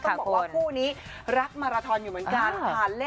ต้องบอกว่าคู่นี้รักมาราทอนอยู่เหมือนกัน